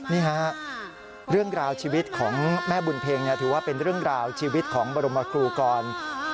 นี่ฮะเรื่องราวชีวิตของแม่บุญเพ็งถือว่าเป็นเรื่องราวชีวิตของบรมครูกร